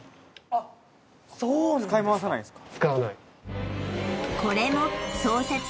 あっそうなんですか使い回さないんですか？